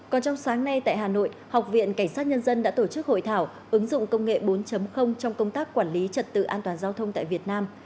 còn trong sáng nay tại hà nội học viện cảnh sát nhân dân đã tổ chức hội thảo ứng dụng công nghệ bốn trong công tác quản lý trật tự an toàn giao thông tại việt nam